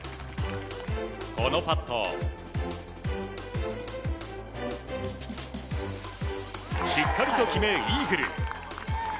このパットをしっかりと決めイーグル。